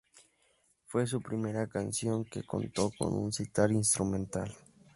Fue su primera canción que contó con un sitar instrumental.